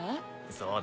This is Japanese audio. そうだよ。